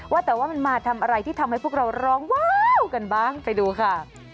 ว่าแต่ว่ามันมาทำอะไรที่ทำให้พวกเราร้องว้าวกันบ้างไปดูค่ะ